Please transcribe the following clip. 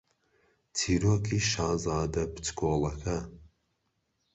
چیرۆکی شازادە بچکۆڵەکە